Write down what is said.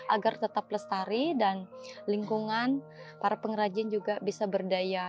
agar tetap lestari dan lingkungan para pengrajin juga bisa berdaya